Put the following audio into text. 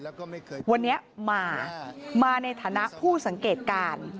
วันนี้มามาในฐานะผู้สังเกตการณ์